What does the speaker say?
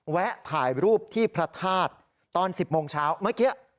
แวะถ่ายรูปที่พระธาตุตอน๑๐โมงเช้าเมื่อกี้